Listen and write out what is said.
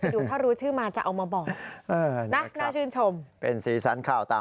ไปดูคนรู้ชื่อมาจะเอามาบอกนะชื่นชมเป็นสีสั้นข่าว